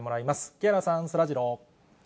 木原さん、そらジ